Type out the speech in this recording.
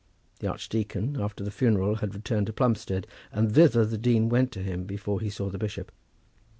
The archdeacon, after the funeral, had returned to Plumstead, and thither the dean went to him before he saw the bishop.